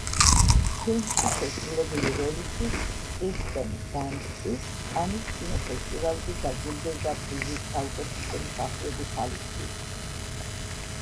ფილმში შესრულებული როლისთვის კირსტენ დანსტი კანის კინოფესტივალზე დაჯილდოვდა პრიზით საუკეთესო მსახიობი ქალისთვის.